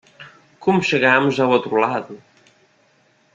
Como chegamos ao outro lado?